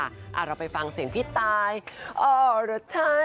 อะเราไปฟังเสียงพี่ตายออร์ดอทไทน์